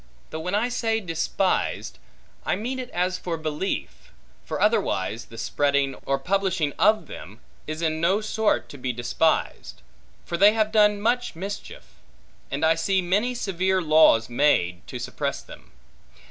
Though when I say despised, I mean it as for belief; for otherwise, the spreading, or publishing, of them, is in no sort to be despised. For they have done much mischief; and I see many severe laws made, to suppress them.